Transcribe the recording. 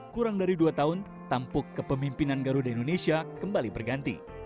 kurang dari dua tahun tampuk kepemimpinan garuda indonesia kembali berganti